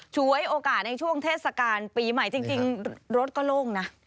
ฉวยโอกาสในช่วงเทศกาลปีใหม่จริงรถก็โล่งนะ